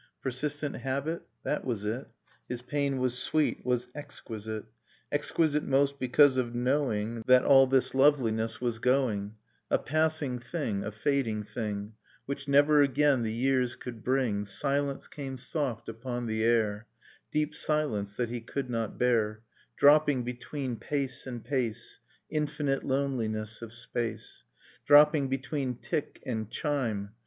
. Persistent habit? That was it: His pain was sweet, was exquisite ; Exquisite most because of knowing That all this loveiness was going, A passing thing, a fading thing, Which never again the years could bring Silence came soft upon the air, Deep silence that he could not bear; Dropping, between pace and pace,' Infinite loneliness of space; Dropping, between tick and chime.